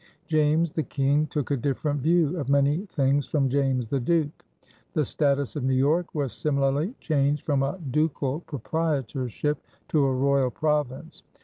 James the King took a different view of many things from James the Duke. The status of New York was similarly changed from a ducal proprietorship to a royal province.